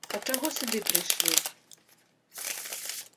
А чаго сюды прыйшлі?